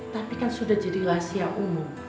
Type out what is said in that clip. tapi kan sudah jadi lasia umum